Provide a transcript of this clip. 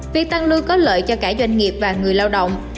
việc tăng lương có lợi cho cả doanh nghiệp và người lao động